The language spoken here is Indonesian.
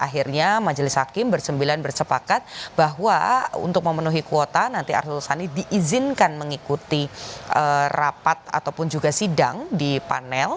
akhirnya majelis hakim bersembilan bersepakat bahwa untuk memenuhi kuota nanti arsul sani diizinkan mengikuti rapat ataupun juga sidang di panel